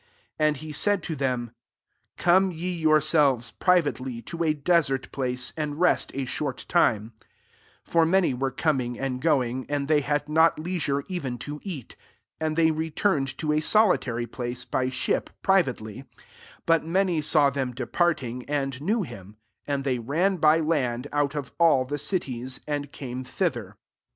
^1 And he said to them, "Come re yourselves, privately, to a desert place, and rest a short time :'' for many were coming and going, and they had not lei sure even to eat. 32 And they returned to a solitary place, by sliip, privately. 33 But many saw them departing, and knew kim ; and they ran by land out of all the cities, and came thi ther.